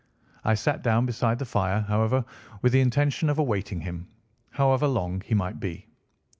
I sat down beside the fire, however, with the intention of awaiting him, however long he might be.